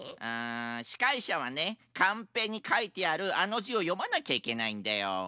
あしかいしゃはねカンペにかいてあるあのじをよまなきゃいけないんだよ。